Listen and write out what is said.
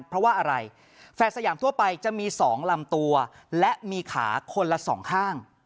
เพราะว่าอะไรแฝดสยามทั่วไปจะมี๒ลำตัวและมีขาคนละสองข้าง